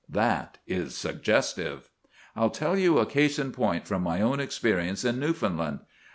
That is suggestive. I'll tell you a case in point from my own experience in Newfoundland.